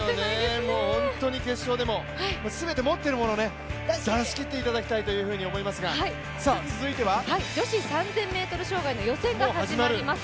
本当に決勝でも、全て持っているものを出し切っていただきたいと思いますが、女子３０００ｍ障害の予選が始まります。